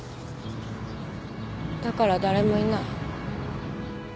だから誰もいない。